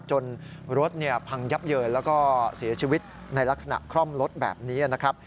จนรถพังยับเยินแล้วก็เสียชีวิตในลักษณะคล่อมรถแบบนี้นะครับ